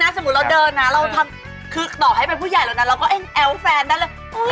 คือต่อให้เป็นผู้ใหญ่แล้วนะเราก็เอ็งแอวแฟนได้เลย